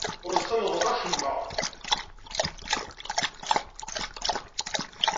Ur sellḍeɣ acemma.